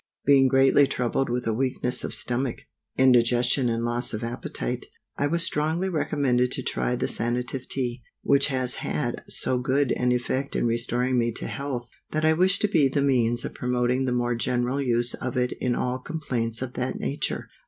BEING greatly troubled with a weakness of stomach, indigestion and loss of appetite, I was strongly recommended to try the Sanative Tea, which has had so good an effect in restoring me to health, that I wish to be the means of promoting the more general use of it in all complaints of that nature.